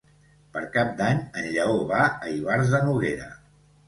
Per Cap d'Any en Lleó va a Ivars de Noguera.